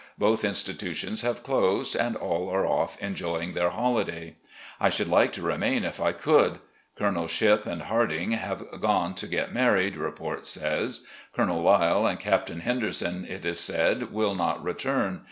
Both institutions have closed, and all are off enjoying their holiday. I should like to remain, if I could. Colonels Shipp and Harding have gone to get married, report says. Colonel Lyle and Captain Henderson, it is said, will not return.